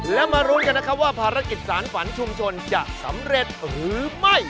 แล้วมารุ้นกันนะครับว่าภารกิจสารฝันชุมชนจะสำเร็จหรือไม่